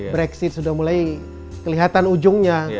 brexit sudah mulai kelihatan ujungnya